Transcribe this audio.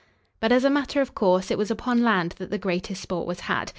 But, as a matter of course, it was upon land that the greatest sport was had.